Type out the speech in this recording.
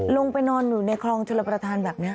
ลงไปนอนอยู่ในคลองชลประธานแบบนี้